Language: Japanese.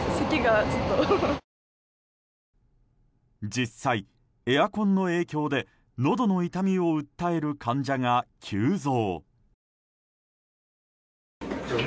実際、エアコンの影響でのどの痛みを訴える患者が急増。